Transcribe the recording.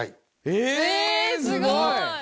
えすごい！